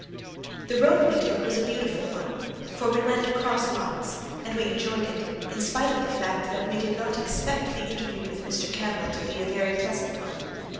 The road we took was a beautiful one, for we went "cross lots," and we enjoyed it, in spite of the fact that we did not expect the interview with Mr. Campbell to be a very pleasant one.